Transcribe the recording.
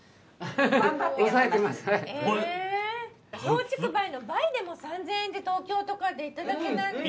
松竹梅の梅でも３０００円で東京とかでいただけないのに。